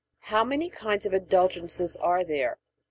How many kinds of Indulgences are there?